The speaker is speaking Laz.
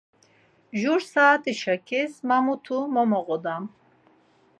Jur saati şakis ma mutu mo moğodam!